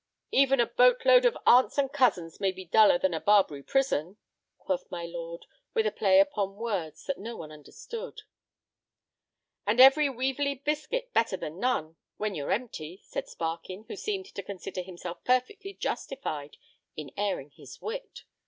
"Even a boat load of aunts and cousins may be duller than a Barbary prison," quoth my lord, with a play upon words that no one understood. "And even a weevily biscuit better than none—when you're empty," said Sparkin, who seemed to consider himself perfectly justified in airing his wit.